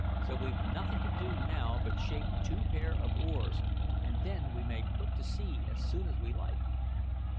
So we've nothing to do now but shape two pair of oars, and then we may put to sea as soon as we like."